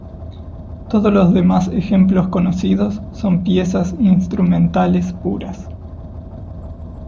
Todos los demás ejemplos conocidos son piezas instrumentales puras.